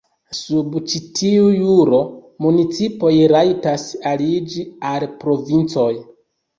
Sub ĉi tiu juro, municipoj rajtas aliĝi al provincoj.